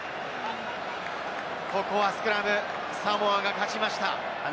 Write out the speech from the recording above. ここはスクラム、サモアが勝ちました。